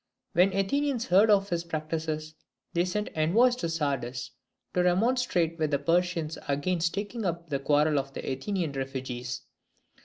When the Athenians heard of his practices, they sent envoys to Sardis to remonstrate with the Persians against taking up the quarrel of the Athenian refugees.